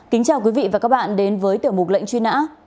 kính chào quý vị và các bạn đến với tiểu mục lệnh truy nã